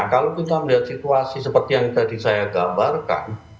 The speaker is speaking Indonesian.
kalau kita melihat situasi seperti yang tadi saya gambarkan